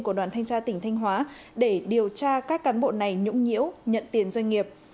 của đoàn thanh tra tỉnh thanh hóa để điều tra các cán bộ này nhũng nhiễu nhận tiền doanh nghiệp